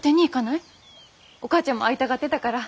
お母ちゃんも会いたがってたから。